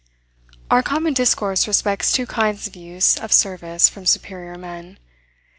Our common discourse respects two kinds of use of service from superior men.